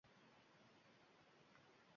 Kambag’al sukut saqlasa-nodonlik.